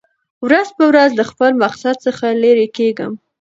ورځ په ورځ له خپل مقصد څخه لېر کېږم .